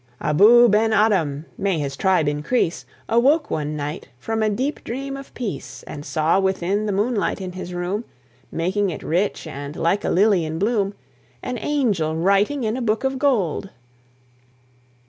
(1784 1859.) Abou Ben Adhem (may his tribe increase!) Awoke one night from a deep dream of peace, And saw within the moonlight in his room, Making it rich and like a lily in bloom, An angel writing in a book of gold.